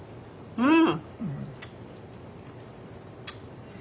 うん。